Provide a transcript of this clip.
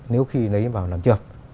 nếu khi lấy vào làm trượt